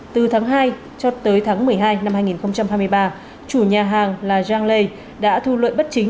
từ tháng hai cho tới tháng một mươi hai năm hai nghìn hai mươi ba chủ nhà hàng là zhang lei đã thu lợi bất chính